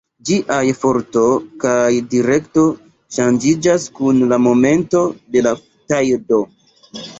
Ĝiaj forto kaj direkto ŝanĝiĝas kun la momento de la tajdo.